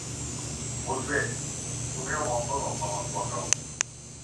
বুঝলে, তুমিও মন্দ নও থমাস ওয়াকাওস্কি।